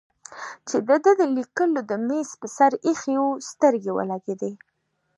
چې د ده د لیکلو د مېز پر سر ایښی و سترګې ولګېدې.